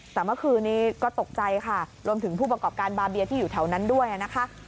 แต่เมื่อคืนนี้ก็ตกใจค่ะรวมถึงผู้ประกอบการบาเบียที่อยู่แถวนั้นด้วยนะคะ